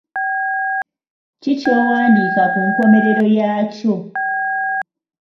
Ki ky'owandiika ku nkomerero yakyo?